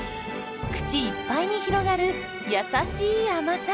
口いっぱいに広がる優しい甘さ。